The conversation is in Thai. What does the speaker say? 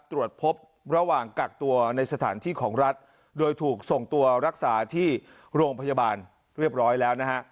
ตรวจพบระหว่างกักตัวในสถานที่ของรัฐโดยถูกส่งตัวรักษาที่โรงพยาบาลเรียบร้อยแล้วนะฮะ